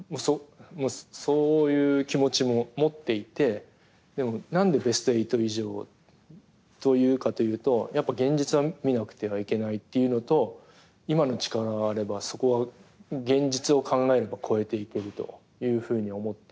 もうそういう気持ちも持っていて何でベスト８以上と言うかというと現実は見なくてはいけないというのと今の力があればそこは現実を考えれば超えていけるというふうに思っていて。